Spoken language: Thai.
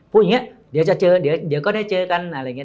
พูดอย่างนี้เดี๋ยวก็ได้เจอกันอะไรอย่างนี้